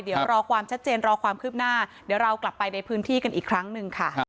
เดี๋ยวรอความชัดเจนรอความคืบหน้าเดี๋ยวเรากลับไปในพื้นที่กันอีกครั้งหนึ่งค่ะ